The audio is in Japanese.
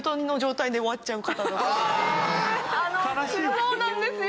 そうなんですよ。